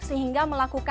sehingga melakukan swab